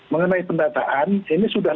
mengenai pendataan ini sudah